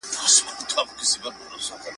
پوهانو به نظرونه شريکول.